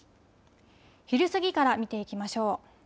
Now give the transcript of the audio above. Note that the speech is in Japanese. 昼過ぎから見ていきましょう。